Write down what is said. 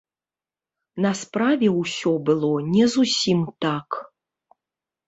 На справе ўсё было не зусім так.